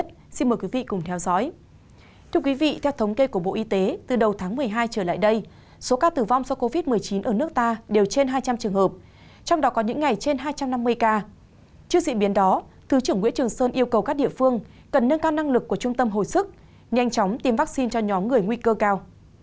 trước diễn biến đó thứ trưởng nguyễn trường sơn yêu cầu các địa phương cần nâng cao năng lực của trung tâm hồi sức nhanh chóng tiêm vaccine cho nhóm người nguy cơ cao